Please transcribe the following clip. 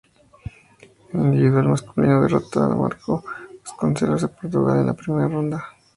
En individual masculino, derrotó a Marco Vasconcelos de Portugal en la primera ronda.